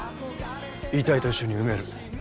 遺体と一緒に埋める。